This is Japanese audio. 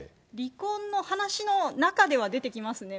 離婚の話の中では出てきますね。